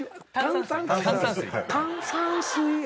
「炭酸水」やね。